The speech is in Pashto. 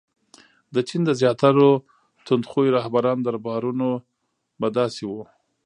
• د چین د زیاتره تندخویو رهبرانو دربارونه به داسې وو.